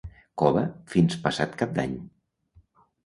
Cova fins passat Cap d'Any.